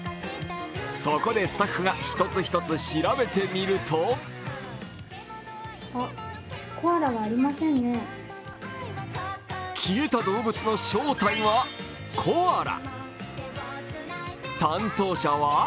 そこでスタッフが一つ一つ調べてみると消えた動物の正体は、コアラ。